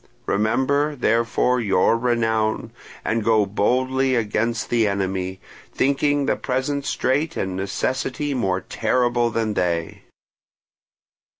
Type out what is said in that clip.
Remember, therefore, your renown, and go boldly against the enemy, thinking the present strait and necessity more terrible than they."